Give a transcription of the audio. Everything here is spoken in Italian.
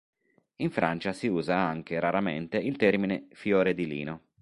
In Francia si usa anche, raramente, il termine "fiore di lino".